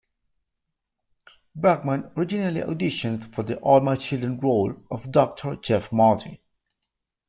Bergman originally auditioned for the "All My Children" role of Doctor Jeff Martin.